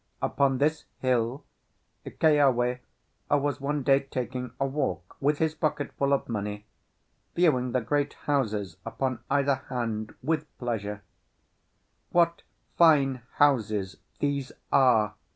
Upon this hill Keawe was one day taking a walk with his pocket full of money, viewing the great houses upon either hand with pleasure, "What fine houses these are!"